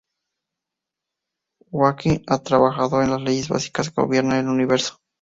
Hawking ha trabajado en las leyes básicas que gobiernan el universo.